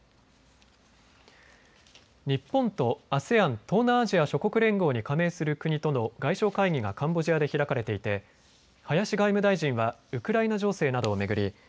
日本とＡＳＥＡＮ・東南アジア諸国連合に加盟する国との外相会議がカンボジアで開かれていて林外務大臣はウクライナ情勢などを巡り